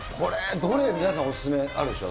どれ皆さん、お勧めあるでしょう？